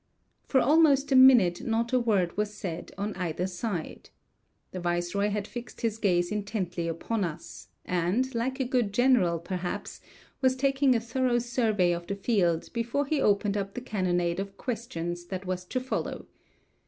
For almost a minute not a word was said on either side. The viceroy had fixed his gaze intently upon us, and, like a good general perhaps, was taking a thorough survey of the field before he opened up the cannonade of questions that was to follow.